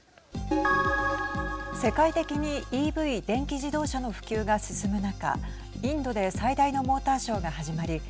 世界的にＥＶ＝電気自動車の普及が進む中インドで最大のモーターショーが始まり